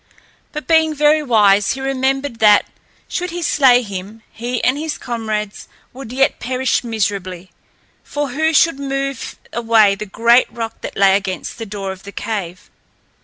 But, being very wise, he remembered that, should he slay him, he and his comrades would yet perish miserably. For who should move away the great rock that lay against the door of the cave?